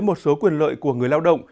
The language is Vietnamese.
một số quyền lợi của người lao động